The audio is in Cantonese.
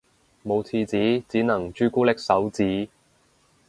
冇廁紙只能朱古力手指